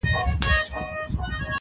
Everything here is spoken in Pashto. يوه ورځ يو ځوان د کلي له وتلو فکر کوي-